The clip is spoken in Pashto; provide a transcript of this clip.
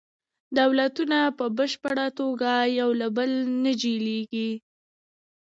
دولتونه په بشپړه توګه یو له بل نه جلیږي